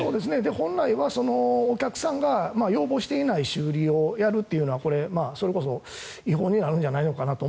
本来はお客さんが要望していない修理をやるというのはこれ、それこそ違法になるんじゃないかなと